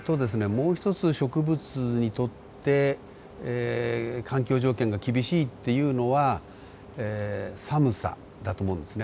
もう一つ植物にとって環境条件が厳しいっていうのは寒さだと思うんですね。